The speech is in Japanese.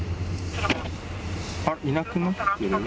あっいなくなってる。